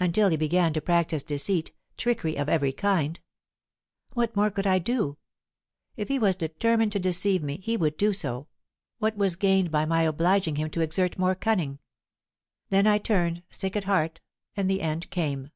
Until he began to practise deceit, trickery of every kind. What more could I do? If he was determined to deceive me, he would do so; what was gained by my obliging him to exert more cunning? Then I turned sick at heart, and the end came."